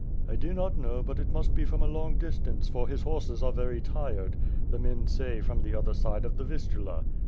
"I do not know, but it must be from a long distance, for his horses are very tired. The men say from the other side of the Vistula."